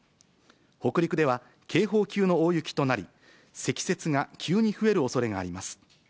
北陸では警報級の大雪となり、積雪が急に増えるおそれがあります。